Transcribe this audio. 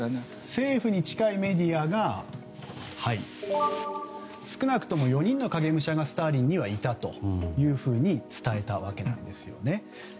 政府に近いメディアが少なくとも４人の影武者がスターリンにはいたというふうに伝えたわけなんです。